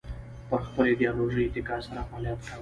پر خپلې ایدیالوژۍ اتکا سره فعالیت کاوه